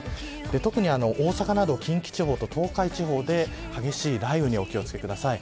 特に大阪など近畿地方と東海地方で激しい雷雨にお気を付けください。